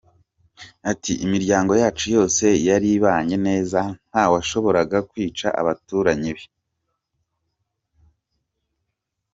Ati “Imiryango yacu yose yari ibanye neza, nta washoboraga kwica abaturanyi be.